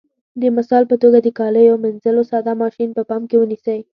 د مثال په توګه د کالیو منځلو ساده ماشین په پام کې ونیسئ.